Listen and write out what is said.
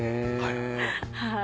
はい。